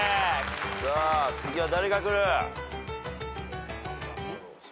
さあ次は誰がくる？